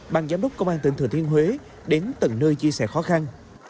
bằng giám đốc công an tỉnh thừa thiên huế đến tận nơi chia sẻ khó khăn